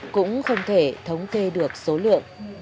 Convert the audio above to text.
cũng không thể thống kê được số lượng